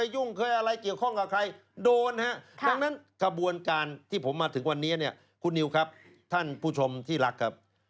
โดนครับดังนั้นกระบวนการที่ผมมาถึงวันนี้เนี่ยคุณนิวครับท่านผู้ชมที่รักครับ